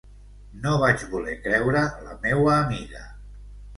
No vaig voler creure la meua amiga.